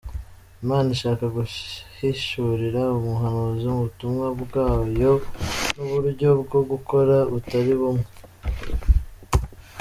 Imana ishaka guhishurira umuhanuzi ubutumwa bwayo n’uburyo bwo gukora butari bumwe.